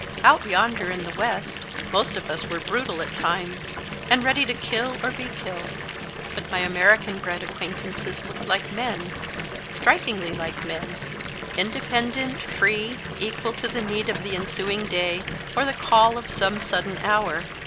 Out yonder, in the W 7 est, most of us were brutal at times, and ready to kill, or be killed, but my American bred acquaintances, looked like men, strikingly like men, independent, free, equal to the need of the ensuing day or the call of some sudden hour.